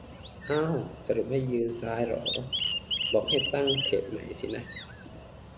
อ้าว สรุปว่ายืนซ้ายเหรอ บอกให้ ตั้งเพจใหม่สินะ